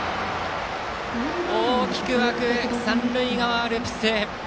大きく沸く三塁側アルプス！